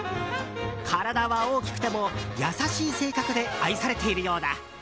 体は大きくても優しい性格で愛されているようだ。